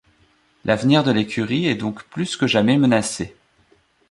L'avenir de l’écurie est donc plus que jamais menacée.